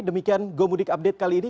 demikian gomudik update kali ini